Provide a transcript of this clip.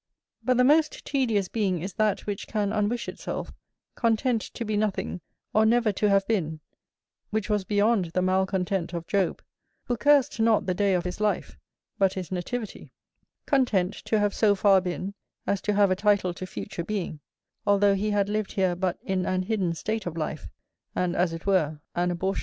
But the most tedious being is that which can unwish itself, content to be nothing, or never to have been, which was beyond the malcontent of Job, who cursed not the day of his life, but his nativity; content to have so far been, as to have a title to future being, although he had lived here but in an hidden state of life, and as it were an abortion.